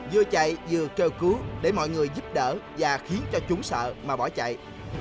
vừa chạy vừa chờ cứu để mọi người giúp đỡ và khiến cho chúng sợ mà bỏ chạy